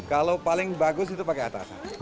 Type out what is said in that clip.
kalau paling bagus itu pakai atasan